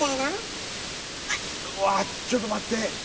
うわちょっと待って。